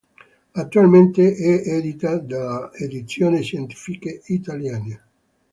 Attualmente è edita dalle Edizioni Scientifiche Italiane.